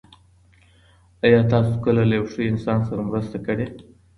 آیا تاسو کله له یو ښه انسان سره مرسته کړې؟